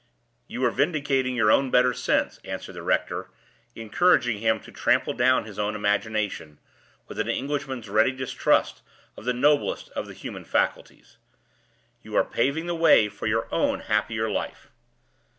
"You are vindicating your own better sense," answered the rector, encouraging him to trample down his own imagination, with an Englishman's ready distrust of the noblest of the human faculties. "You are paving the way for your own happier life."